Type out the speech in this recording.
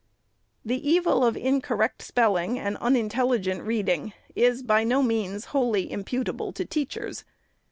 The evil of incorrect spelling and unintelligent reading is, by no means, wholly imputable to teachers.